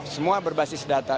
semua berbasis data